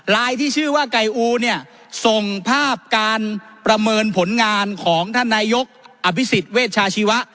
ที่ชื่อว่าไก่อูเนี่ยส่งภาพการประเมินผลงานของท่านนายกอภิษฎเวชาชีวะ